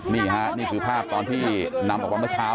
นี่ค่ะนี่คือภาพตอนที่นำออกมาเมื่อเช้า